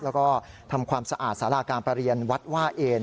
แล้วก็ทำความสะอาดสาราการประเรียนวัดว่าเอน